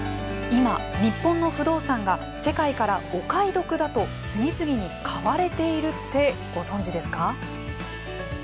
今、日本の不動産が世界からお買い得だと次々に買われているってご存じですか。